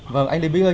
vâng anh lê bích ơi